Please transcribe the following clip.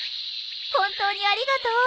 本当にありがとう。